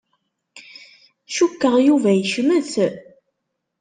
Cukkeɣ Yuba yecmet.